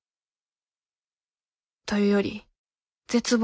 というより絶望？